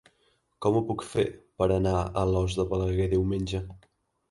Com ho puc fer per anar a Alòs de Balaguer diumenge?